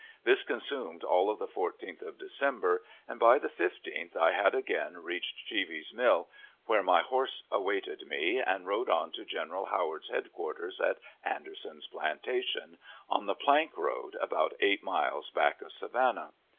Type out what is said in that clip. This consumed all of the 14th of December; and by the 15th I had again reached Cheeves's Mill, where my horse awaited me, and rode on to General Howard's headquarters at Anderson's plantation, on the plank road, about eight miles back of Savannah.